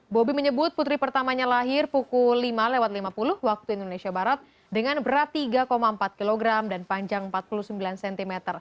bobi menyebut putri pertamanya lahir pukul lima lewat lima puluh waktu indonesia barat dengan berat tiga empat kg dan panjang empat puluh sembilan cm